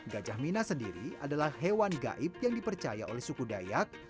gajah mina sendiri adalah hewan gaib yang dipercaya oleh suku dayak